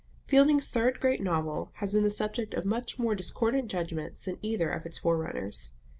Fielding's third great novel has been the subject of much more discordant judgments than either of its forerunners.